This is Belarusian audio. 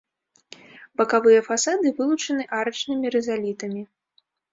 Бакавыя фасады вылучаны арачнымі рызалітамі.